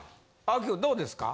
青木君どうですか？